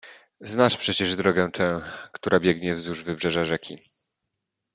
"Znasz przecież drogę tę, która biegnie wzdłuż wybrzeża rzeki."